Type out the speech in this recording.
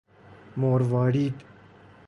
مروارید